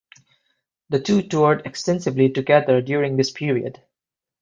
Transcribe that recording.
The two toured extensively together during this period.